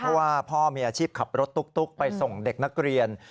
เพราะว่าพ่อมีอาชีพขับรถตุ๊กไปส่งเด็กนักเรียน